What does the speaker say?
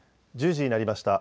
１０時になりました。